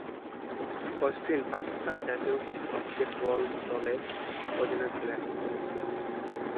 Austin Pakistan জাতীয় basketball দলের অধিনায়ক ছিলেন।